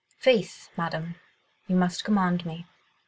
"Faith, Madame, you must command me.